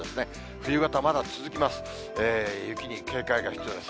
冬型まだ続きます。